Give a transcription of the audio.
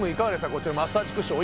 こちらマッサージクッション